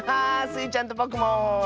スイちゃんとぼくも。